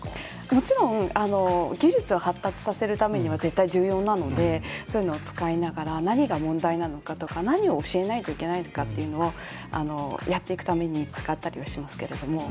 もちろん技術を発達させるためには絶対重要なのでそういうのを使いながら何が問題なのかとか、何を教えないといけないのかというのをやっていくために使ったりはしますけれども。